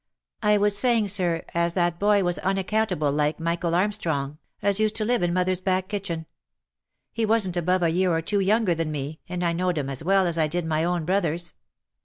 " I was saying, sir, as that boy was unaccountable like Michael Armstrong, as used to live in mother's back kitchen. He wasn't above a year or two younger than me, and I knowed him as well as I did my own brothers."